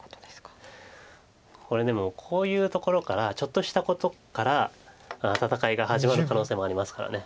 これでもこういうところからちょっとしたことから戦いが始まる可能性もありますから。